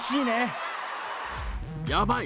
やばい！